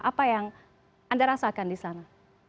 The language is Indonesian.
apa yang anda rasakan di sana